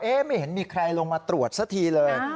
ไม่เห็นมีใครลงมาตรวจสักทีเลย